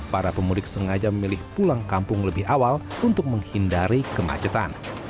para pemudik sengaja memilih pulang kampung lebih awal untuk menghindari kemacetan